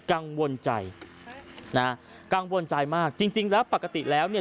กังวลใจนะฮะกังวลใจมากจริงจริงแล้วปกติแล้วเนี่ย